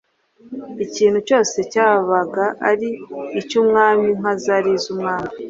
Ikintu cyose cyabaga ari icy’umwami, inka zari iz’umwami,